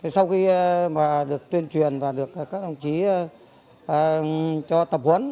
sau khi mà được tuyên truyền và được các đồng chí cho tập huấn